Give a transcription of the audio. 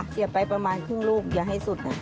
เสียไปประมาณครึ่งลูกอย่าให้สุด